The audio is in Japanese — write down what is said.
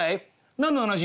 何の話？」。